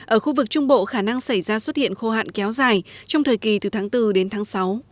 ở khu vực trung bộ khả năng xảy ra xuất hiện khô hạn kéo dài trong thời kỳ từ tháng bốn đến tháng sáu